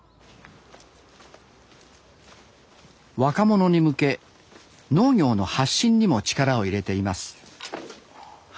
若者に向け農業の発信にも力を入れています。